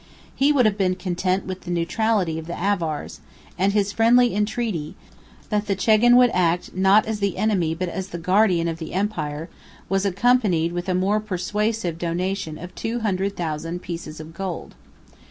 He would have been content with the neutrality of the Avars; and his friendly entreaty, that the chagan would act, not as the enemy, but as the guardian, of the empire, was accompanied with a more persuasive donative of two hundred thousand pieces of gold.